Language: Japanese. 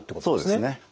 そうですね。